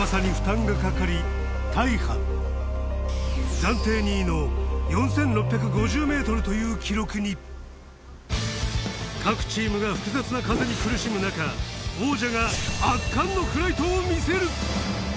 暫定２位の４６５０ｍという記録に各チームが複雑な風に苦しむ中王者が圧巻のフライトを見せる！